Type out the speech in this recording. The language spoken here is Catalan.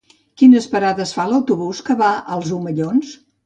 Quines parades fa l'autobús que va als Omellons?